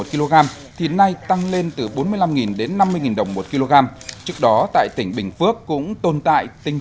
một kg thì nay tăng lên từ bốn mươi năm đến năm mươi đồng một kg trước đó tại tỉnh bình phước cũng tồn tại tình